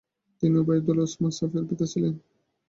তিনি Ubaydullah, Usman এবং সাফিয়ার পিতা ছিলেন।